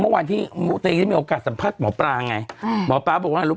เมื่อวานที่ตัวเองได้มีโอกาสสัมภาษณ์หมอปลาไงหมอปลาบอกว่ารู้